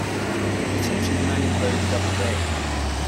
He taught in Manning Road Double Bay.